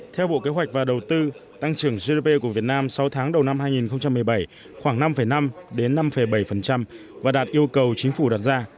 theo bộ kế hoạch và đầu tư tăng trưởng gdp của việt nam sáu tháng đầu năm hai nghìn một mươi bảy khoảng năm năm đến năm bảy và đạt yêu cầu chính phủ đặt ra